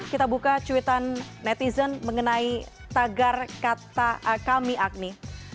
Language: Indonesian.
kita buka cuitan netizen mengenai tagar kata kami agni